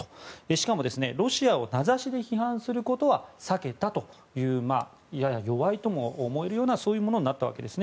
しかも、ロシアを名指しで批判することは避けたというやや弱いとも思えるようなそういうものになったわけです。